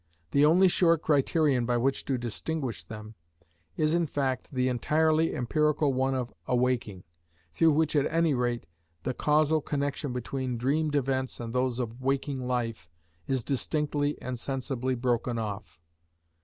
The only sure criterion by which to distinguish them is in fact the entirely empirical one of awaking, through which at any rate the causal connection between dreamed events and those of waking life, is distinctly and sensibly broken off.